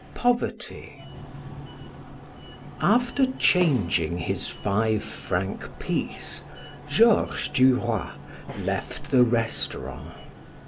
POVERTY After changing his five franc piece Georges Duroy left the restaurant.